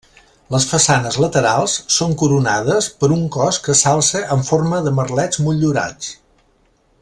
Les façanes laterals són coronades per un cos que s'alça en forma de merlets motllurats.